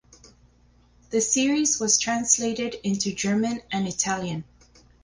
The series was translated into German and Italian.